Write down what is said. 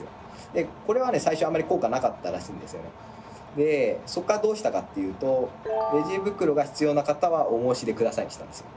でそこからどうしたかっていうと「レジ袋が必要な方はお申し出ください」にしたんですよ。